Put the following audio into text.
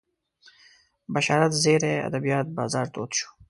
بشارت زیري ادبیات بازار تود شو